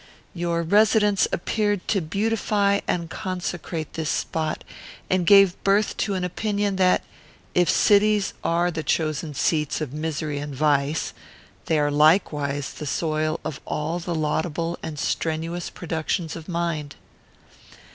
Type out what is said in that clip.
Your residence appeared to beautify and consecrate this spot, and gave birth to an opinion that, if cities are the chosen seats of misery and vice, they are likewise the soil of all the laudable and strenuous productions of mind.